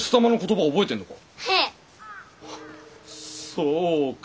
そうか。